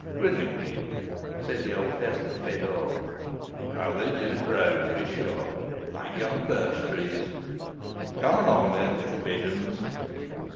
"Willingly," said the old peasant Fedor. "How they do grow, to be sure, like young birch trees. Come along then, little pigeons."